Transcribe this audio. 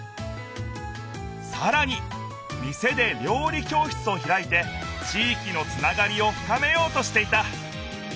さらに店で料理教室をひらいて地いきのつながりをふかめようとしていた。